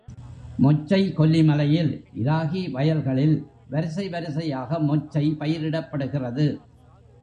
மொச்சை கொல்லிமலையில் இராகி வயல்களில் வரிசை வரிசையாக மொச்சை பயிரிடப்படுகிறது.